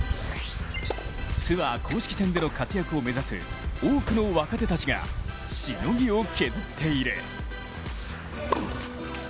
ツアー公式戦での活躍を目指す多くの若手たちがしのぎを削っている。